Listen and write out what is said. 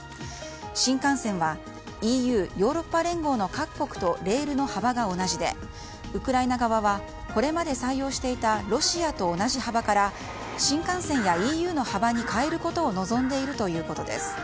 新幹線はＥＵ・ヨーロッパ連合の各国とレールの幅が同じでウクライナ側はこれまで採用していたロシアと同じ幅から新幹線やＥＵの幅に変えることを望んでいるということです。